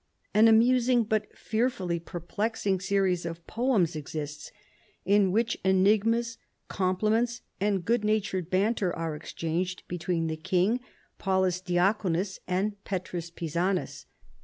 An amusing but fearfully perplexing series of poems exists, in which enigmas, compli ments, and good natured banter are exchanged between the king, Paulus Diaconus, and Petrus Pisanus.